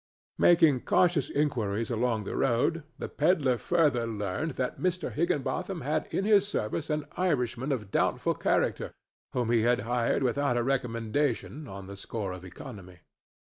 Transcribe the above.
Making cautious inquiries along the road, the pedler further learned that Mr. Higginbotham had in his service an Irishman of doubtful character whom he had hired without a recommendation, on the score of economy.